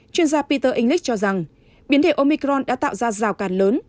chuyên gia peter english cho rằng biến thể omicron đã tạo ra rào càn lớn